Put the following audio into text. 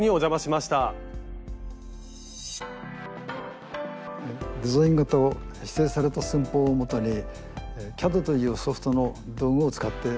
スタジオデザイン画と指定された寸法をもとにＣＡＤというソフトの道具を使って作図します。